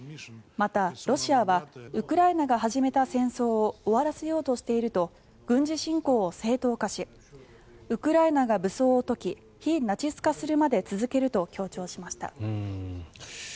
また、ロシアはウクライナが始めた戦争を終わらせようとしていると軍事侵攻を正当化しウクライナが武装を解き非ナチス化するまで続けると強調しました。